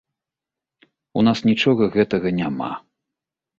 У нас нічога гэтага няма.